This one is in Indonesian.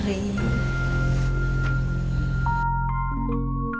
terima kasih andri